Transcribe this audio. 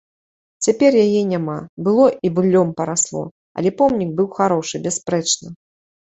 Цяпер яе няма, было і быллём парасло, але помнік быў харошы, бясспрэчна.